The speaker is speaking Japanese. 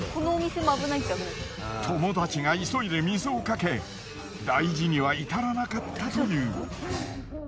友達が急いで水をかけ大事には至らなかったという。